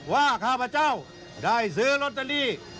ว่าข้าพเจ้าได้ซื้อรอตาลี